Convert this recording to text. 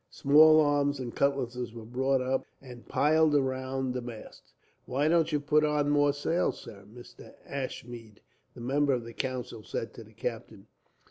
Small arms and cutlasses were brought up, and piled round the masts. "Why don't you put on more sail, sir?" Mr. Ashmead, the member of the council, said to the captain.